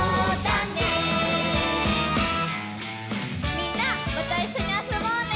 みんなまたいっしょにあそぼうね！